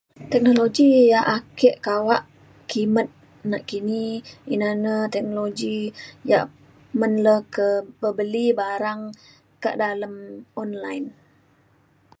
teknologi yak ake kawak kimet nakini ina na teknologi yak men le ke bebeli barang kak dalem online